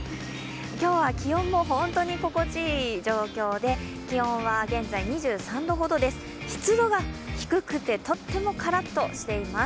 今日は気温も本当に心地いい状況で、気温は現在２３度ほどです、湿度が低くて、とってもカラッとしています。